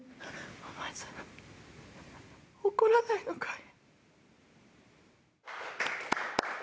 お前さん、怒らないのかい？